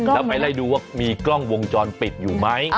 แล้วไปไล่ดูว่ามีกล้องวงจรปิดอยู่ไหม